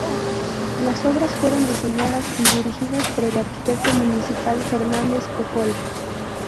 Las obras fueron diseñadas y dirigidas por el arquitecto municipal Fernández Pujol.